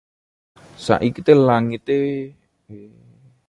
saikite langite